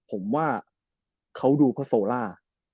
ผมว่าเขาดูเพราะโซล่า